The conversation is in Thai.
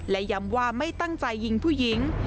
และย้ำว่าไม่ตั้งใจยิงผู้หญิง